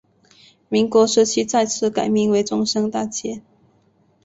民国时期再次改名为中山大街。